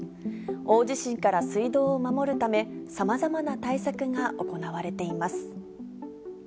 大地震から水道を守るため、さまざまな対策が行われています。